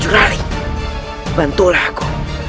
jurali bantulah aku